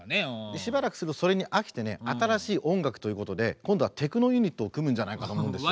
しばらくするとそれに飽きてね新しい音楽ということで今度はテクノユニットを組むんじゃないかと思うんですよ。